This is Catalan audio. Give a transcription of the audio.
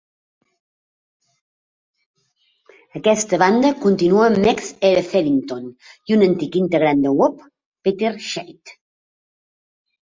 Aquesta banda continua amb Megs Etherington i un antic integrant de Whoopee, Peter Shade.